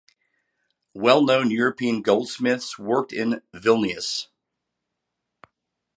Well known European goldsmiths worked in Vilnius.